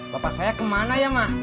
bapak saya kemana ya mah